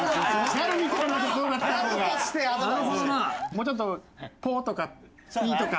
もうちょっと「ぽ」とか「ぴ」とか。